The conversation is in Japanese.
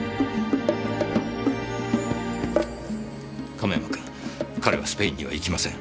亀山君彼はスペインには行きません。